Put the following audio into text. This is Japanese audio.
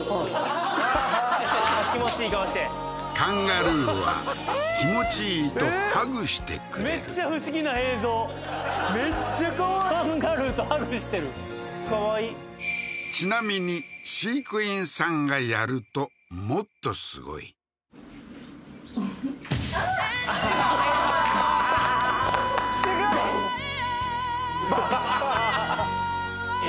ははははっ気持ちいい顔してカンガルーは気持ちいいとハグしてくれるめっちゃ不思議な映像めっちゃかわいいカンガルーとハグしてるかわいいちなみに飼育員さんがやるともっとすごいふふっああーははははっすごいははははっ